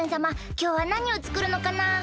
きょうはなにをつくるのかな？